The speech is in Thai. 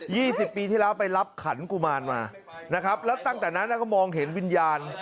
สิบปีที่แล้วไปรับขันกุมารมานะครับแล้วตั้งแต่นั้นก็มองเห็นวิญญาณ